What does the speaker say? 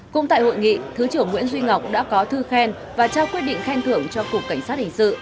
cũng tại hội nghị thứ trưởng nguyễn duy ngọc đã có thư khen và trao quyết định khen thưởng cho cục cảnh sát hình sự